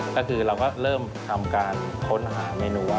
ก็คือเราก็เริ่มทำการค้นหาเมนู